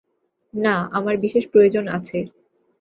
না, আমার বিশেষ প্রয়োজন আছে।